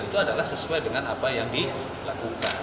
itu adalah sesuai dengan apa yang dilakukan